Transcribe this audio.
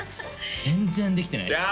全然できてないですね